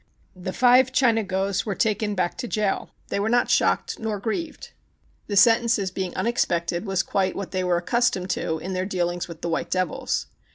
The five Chinagos were taken back to jail. They were not shocked nor grieved. The sen tences being unexpected was quite what they v/ere accustomed to in their dealings with the white devils.